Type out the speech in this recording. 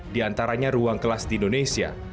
di antaranya ruang kelas di indonesia